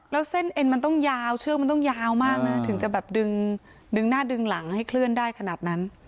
แล้วเส้นเอ็นมันต้องยาวเชือกมันต้องยาวมากนะถึงจะแบบดึงหน้าดึงหลังให้เคลื่อนได้ขนาดนั้น